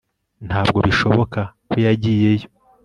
Ntabwo bishoboka ko yagiyeyo